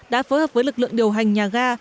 đã phối hợp với lực lượng điều hành nhà ga